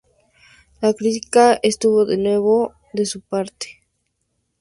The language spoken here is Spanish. La crítica estuvo de nuevo de su parte.